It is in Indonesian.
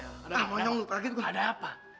ada apa nek ada apa